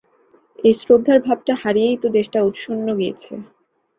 এই শ্রদ্ধার ভাবটা হারিয়েই তো দেশটা উৎসন্ন গিয়েছে।